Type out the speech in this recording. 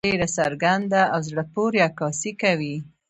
ډېره څرګنده او زړۀ پورې عکاسي کوي.